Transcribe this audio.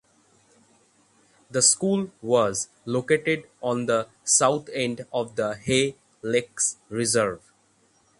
The school was located on the south end of the Hay Lakes reserve.